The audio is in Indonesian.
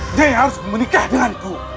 nyai harus menikah denganku